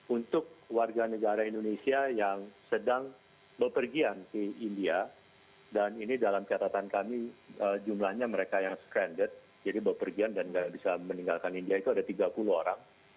untuk warga negara indonesia yang sedang bepergian ke india dan ini dalam catatan kami jumlahnya mereka yang scranded jadi bepergian dan tidak bisa meninggalkan india itu ada tiga puluh orang